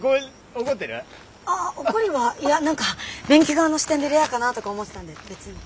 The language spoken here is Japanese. ああ怒りはいや何か便器側の視点でレアかなとか思ってたんで別に。